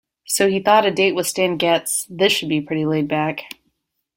So he thought a date with Stan Getz this should be pretty laid back.